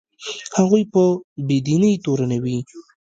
هغوی په بې دینۍ تورنوي.